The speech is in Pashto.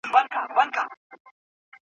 د عزت ساتنه د بشريت يو اساسي حق دی.